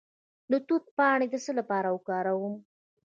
د توت پاڼې د څه لپاره وکاروم؟